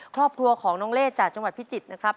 ครอบครัวของน้องเล่จากจังหวัดพิจิตรนะครับ